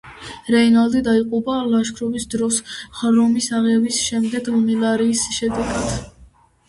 რეინალდი დაიღუპა ლაშქრობის დროს, რომის აღების შემდეგ მალარიის შედეგად.